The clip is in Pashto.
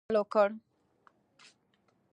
احمدشاه ابدالي پنځم ځل پر هند یرغل وکړ.